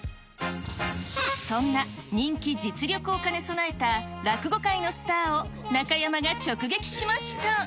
そんな人気、実力を兼ね備えた落語界のスターを中山が直撃しまし